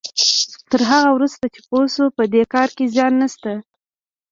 تر هغه وروسته چې پوه شو په دې کار کې زيان نشته.